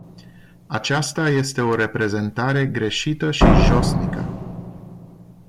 Aceasta este o reprezentare greșită și josnică.